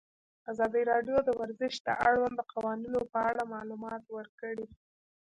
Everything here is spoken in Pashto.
ازادي راډیو د ورزش د اړونده قوانینو په اړه معلومات ورکړي.